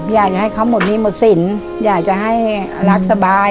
อยากให้เขาหมดหนี้หมดสินอยากจะให้รักสบาย